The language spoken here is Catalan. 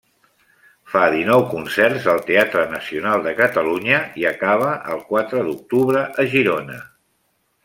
Fa dinou concerts al Teatre Nacional de Catalunya i acaba el quatre d'octubre a Girona.